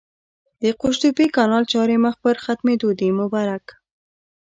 د قوشتېپې کانال چارې مخ پر ختمېدو دي! مبارک